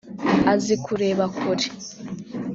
azi kureba kure